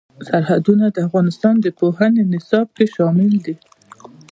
سرحدونه د افغانستان د پوهنې نصاب کې شامل دي.